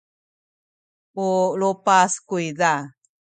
u lupas kuyza.